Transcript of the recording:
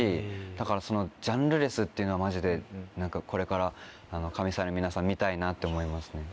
だからジャンルレスっていうのはマジでこれから神サイの皆さん見たいなって思いますね。